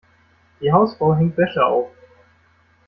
Die Hausfrau hängt Wäsche auf.